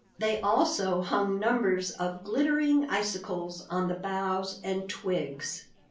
They also hung numbers of glittering icicles on the boughs and twigs.